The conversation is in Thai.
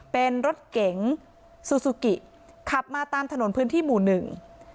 เป็นรถเก๋งซูซูกิขับมาตามถนนพื้นที่หมู่หนึ่ง